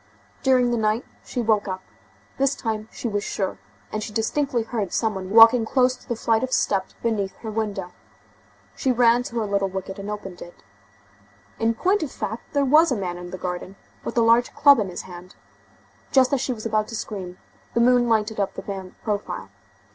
During the night she woke up; this time she was sure, and she distinctly heard some one walking close to the flight of steps beneath her window. She ran to her little wicket and opened it. In point of fact, there was a man in the garden, with a large club in his hand. Just as she was about to scream, the moon lighted up the man's profile.